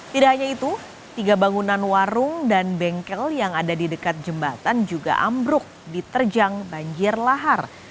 tidak hanya itu tiga bangunan warung dan bengkel yang ada di dekat jembatan juga ambruk diterjang banjir lahar